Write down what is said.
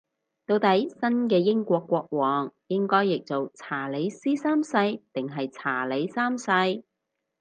到底新嘅英國國王應該譯做查理斯三世定係查理三世